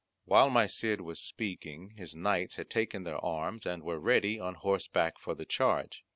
While my Cid was speaking, his knights had taken their arms, and were ready on horseback for the charge.